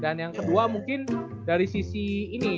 yang kedua mungkin dari sisi ini